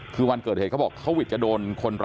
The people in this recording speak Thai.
แต่วันนี้เขาบอกว่าเขาไม่เห็นอะไรนะฮะ